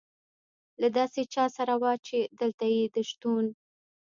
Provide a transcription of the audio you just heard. له داسې چا سره وه، چې دلته یې د شتون.